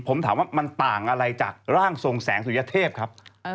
ผมถามว่ามันต่างอะไรจากร่างทรงแสงสุยเทพครับ